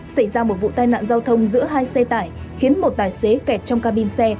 xảy ra một vụ tai nạn giao thông giữa hai xe tải khiến một tài xế kẹt trong cabin xe